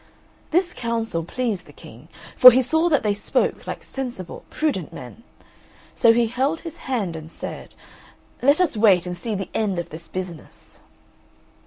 This counsel pleased the King, for he saw that they spoke like sensible, prudent men, so he held his hand and said, "Let us wait and see the end of this business."